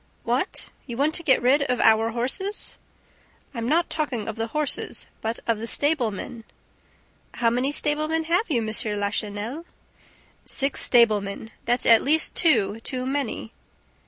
"What, you want to get rid of our horses?" "I'm not talking of the horses, but of the stablemen." "How many stablemen have you, M. Lachenel?" "Six stablemen! That's at least two too many."